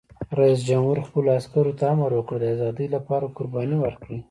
رئیس جمهور خپلو عسکرو ته امر وکړ؛ د ازادۍ لپاره قرباني ورکړئ!